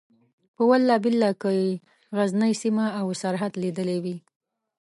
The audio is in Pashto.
په والله بالله که یې غزنۍ سیمه او سرحد لیدلی وي.